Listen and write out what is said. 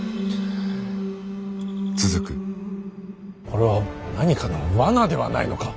これは何かの罠ではないのか。